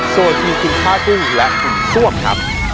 ส่วนทีที่ข้าฝึงและติดชวนครับ